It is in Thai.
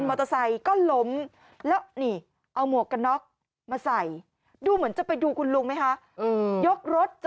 ไม่ให้การช่วยเหลือเลยหรอ